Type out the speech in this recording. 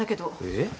えっ？